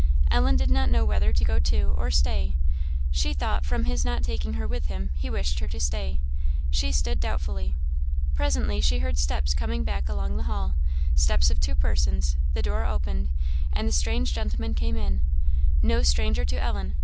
Ellen did not know whether to go too, or stay; she thought, from his not taking her with him, he wished her to stay; she stood doubtfully. Presently she heard steps coming back along the hall steps of two persons the door opened, and the strange gentleman came in. No stranger to Ellen!